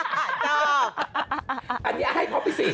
อันนี้ให้พบศิษย์